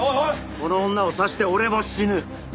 この女を刺して俺も死ぬ。